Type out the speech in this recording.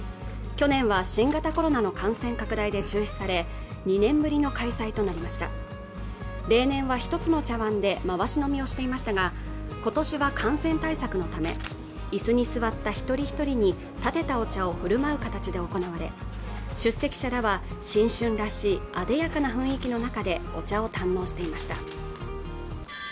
去年は新型コロナの感染拡大で中止され２年ぶりの開催となりました例年は一つの茶碗で回し飲みをしていましたが今年は感染対策のため椅子に座った一人一人に点てたお茶を振る舞う形で行われ出席者らは新春らしいあでやかな雰囲気の中でお茶を堪能していました